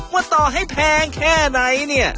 ว่าต่อให้แพงแค่ไหนเนี่ย